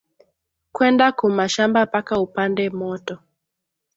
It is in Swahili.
Kwenda ku mashamba paka u pande moto